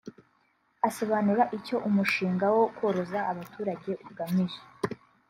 Asobanura icyo umushinga wo koroza abaturage ugamije